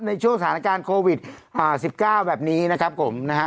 ในช่วงสถานการณ์โควิด๑๙แบบนี้นะครับผมนะฮะ